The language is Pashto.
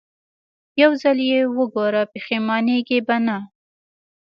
يو ځل يې وګوره پښېمانېږې به نه.